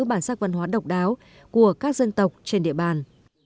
bản sắc văn hóa độc đáo của các dân tộc trên địa bàn